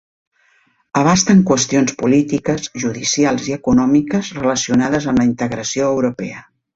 Abasten qüestions polítiques, judicials i econòmiques relacionades amb la integració europea.